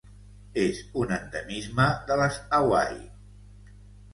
És un endemisme de les Hawaii.